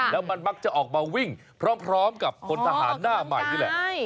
แล้วมันมักจะออกมาวิ่งพร้อมกับพลทหารหน้าใหม่นี่แหละ